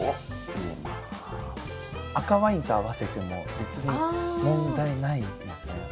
赤ワインと合わせても別に問題ないですね。